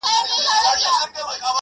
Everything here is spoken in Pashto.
• ستا سندره ووایم څوک خو به څه نه وايي -